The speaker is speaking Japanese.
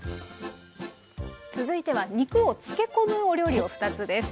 続いては肉を漬け込むお料理を２つです。